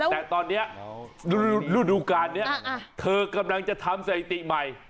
แต่ตอนนี้ฤดูการนี้เธอกำลังจะทำสถิติใหม่